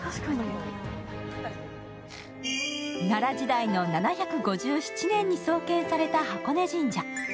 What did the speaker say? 奈良時代の７５７年に創建した箱根神社。